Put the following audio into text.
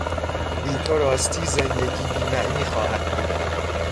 بی تو راستی زندگی بیمعنی خواهد بود.